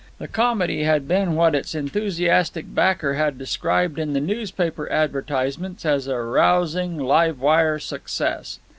The comedy had been what its enthusiastic backer had described in the newspaper advertisements as a "rousing live wire success."